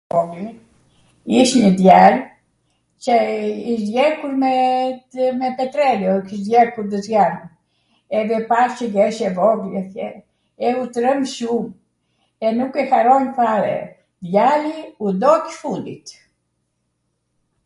ish njw djal qw ish djegur me petreleo, ish djegur nw zjar, edhe e pash qw jesh e vogwl atje, e u trembsh shum, e nuk e haronj fare, djali u doq furit,